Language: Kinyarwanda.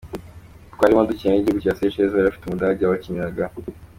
Twarimo dukina n’igihugu cya Seychelles bari bafite Umudage wabakiniraga.